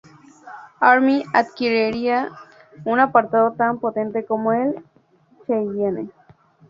Army adquiriera un aparato tan potente como el "Cheyenne".